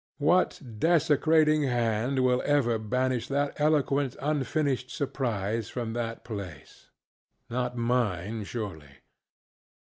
What desecrating hand will ever banish that eloquent unfinished surprise from that place? Not mine, surely.